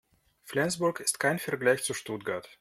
Flensburg ist kein Vergleich zu Stuttgart